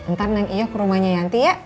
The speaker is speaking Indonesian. ntar nangisnya ke rumahnya yanti ya